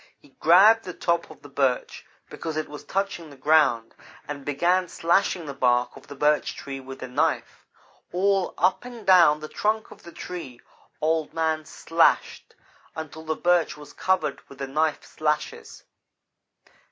He grabbed the top of the Birch because it was touching the ground, and began slashing the bark of the Birch Tree with the knife. All up and down the trunk of the tree Old man slashed, until the Birch was covered with the knife slashes.